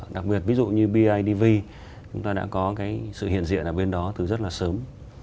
đặc biệt ví dụ như bidv chúng ta đã có cái sự hiện diện ở bên đó từ rất là sớm